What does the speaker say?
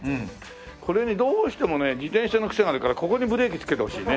これにどうしてもね自転車のクセがあるからここにブレーキ付けてほしいね。